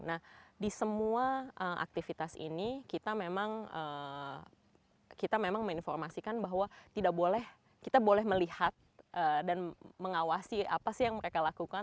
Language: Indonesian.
nah di semua aktivitas ini kita memang menginformasikan bahwa kita boleh melihat dan mengawasi apa sih yang mereka lakukan